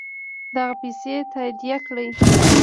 دغه پیسې تادیه کړي.